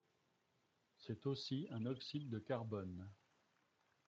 C'est aussi un oxyde de carbone.